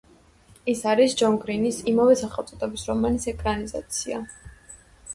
ის არის ჯონ გრინის ამავე სახელწოდების რომანის ეკრანიზაცია.